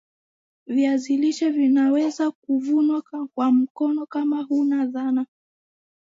viazi lishe vinaweza kuvunwa kwa mkono kama huna dhana